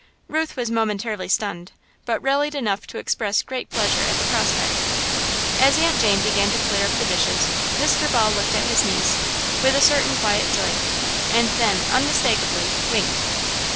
Ruth was momentarily stunned, but rallied enough to express great pleasure at the prospect. As Aunt Jane began to clear up the dishes, Mr. Ball looked at his niece, with a certain quiet joy, and then, unmistakably, winked.